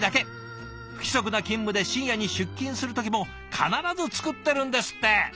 不規則な勤務で深夜に出勤する時も必ず作ってるんですって。